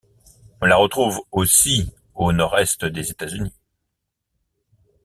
On la retrouve aussi au nord-est des États-Unis.